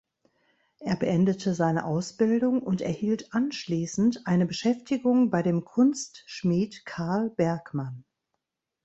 Er beendete seine Ausbildung und erhielt anschließend eine Beschäftigung bei dem Kunstschmied Karl Bergmann.